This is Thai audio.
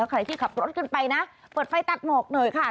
ใครที่ขับรถขึ้นไปนะเปิดไฟตัดหมอกหน่อยค่ะ